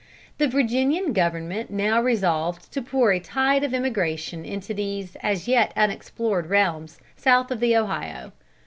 The Virginian government now resolved to pour a tide of emigration into these as yet unexplored realms, south of the Ohio.